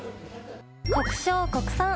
国消国産！